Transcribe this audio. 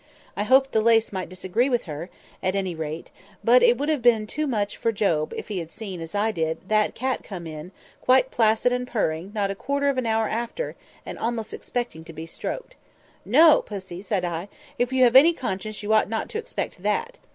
I hoped the lace might disagree with her, at any rate; but it would have been too much for Job, if he had seen, as I did, that cat come in, quite placid and purring, not a quarter of an hour after, and almost expecting to be stroked. 'No, pussy!' said I, 'if you have any conscience you ought not to expect that!